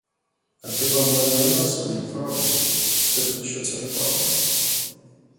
А хіба в мене нема сили й права сказати, що то неправда?